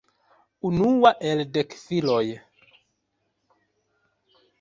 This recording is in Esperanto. Unua el dek filoj.